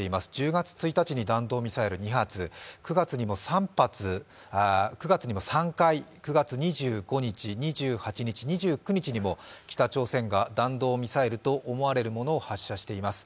１０月１日に弾道ミサイル２発、９月にも３回、９月２５日、２８日、２９日にも北朝鮮が弾道ミサイルとみられるものを発射しています。